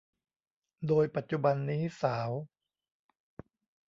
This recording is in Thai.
โดยปัจจุบันนี้สาว